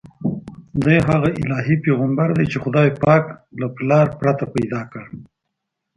دی هغه الهي پیغمبر دی چې خدای پاک له پلار پرته پیدا کړ.